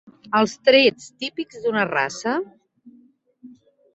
Els trets típics d'una raça.